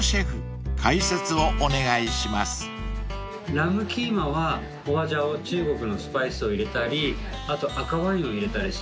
ラムキーマはホアジャオ中国のスパイスを入れたりあと赤ワインを入れたりします。